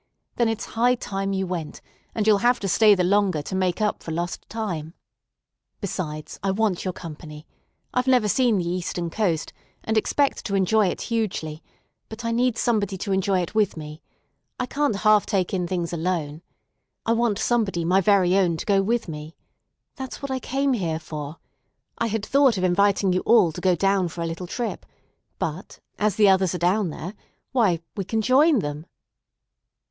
Then it's high time you went, and you'll have to stay the longer to make up for lost time. Besides, I want your company. I've never seen the Eastern coast, and expect to enjoy it hugely; but I need somebody to enjoy it with me. I can't half take things in alone. I want somebody my very own to go with me. That's what I came here for. I had thought of inviting you all to go down for a little trip; but, as the others are down there, why, we can join them."